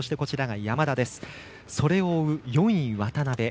山田、それを追う、４位渡部。